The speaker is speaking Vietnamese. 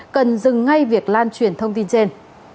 cần dừng ngay việc lan truyền thông tin trên